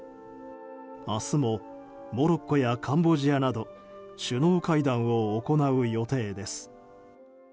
明日もモロッコやカンボジアなど首脳会談を行う予定です。